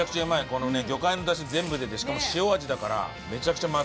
このね魚介の出汁全部出てしかも塩味だからめちゃくちゃまとまって。